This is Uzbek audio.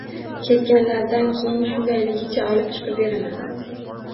Ketganlaridan keyin shundayligicha olib chiqib beraman